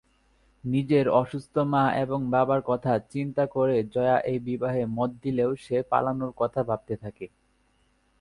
নিজের অসুস্থ মা ও বাবার কথা চিন্তা করে জয়া এই বিবাহে মত দিলেও সে পালানোর কথা ভাবতে থাকে।